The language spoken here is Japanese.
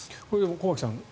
駒木さん